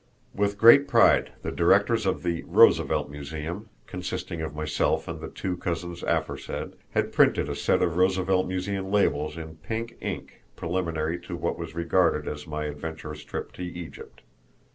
With great pride the directors of the "Roosevelt Museum," consisting of myself and the two cousins aforesaid, had printed a set of Roosevelt Museum labels in pink ink preliminary to what was regarded as my adventurous trip to Egypt.